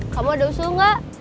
kamu ada usul gak